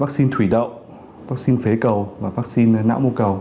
vaccine thủy đậu vaccine phế cầu và vaccine não mô cầu